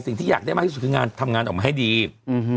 สิ่งที่อยากได้มากที่สุดคืองานทำงานออกมาให้ดีอืม